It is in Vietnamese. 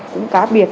cũng cá biệt